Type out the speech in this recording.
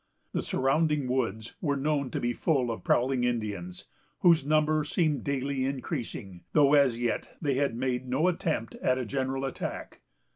The surrounding woods were known to be full of prowling Indians, whose number seemed daily increasing, though as yet they had made no attempt at a general attack.